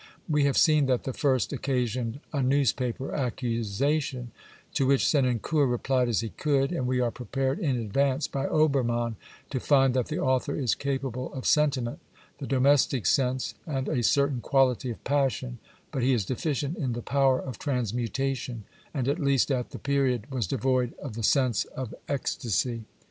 We have seen that the first occasioned a newspaper accusation, to which Senancour replied as he could, and we are prepared in advance by Obermattn to find that the author is capable of sentiment, the domestic sense ^ and a certain quality of passion, but he is deficient in the power of transmutation, and, at least at the period, was devoid of the sense of ecstasy.